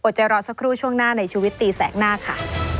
ใจรอสักครู่ช่วงหน้าในชีวิตตีแสกหน้าค่ะ